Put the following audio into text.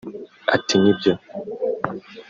Ati “Ni byo